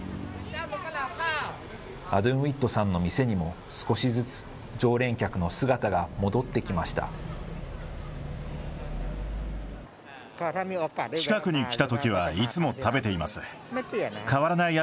アドゥンウィットさんの店にも、少しずつ常連客の姿が戻ってきました。